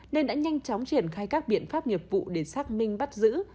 nên đã nhanh chóng triển khai các biện pháp nghiệp vụ để xác minh bắt giữ